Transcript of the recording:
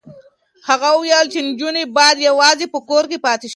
هغه وویل چې نجونې باید یوازې په کور کې پاتې شي.